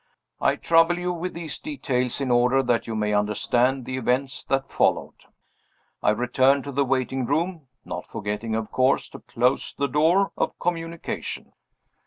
I trouble you with these details in order that you may understand the events that followed. I returned to the waiting room, not forgetting of course to close the door of communication.